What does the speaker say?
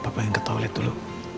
papa pengen ke toilet dulu